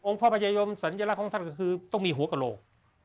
พระพญายมสัญลักษณ์ของท่านก็คือต้องมีหัวกระโหลก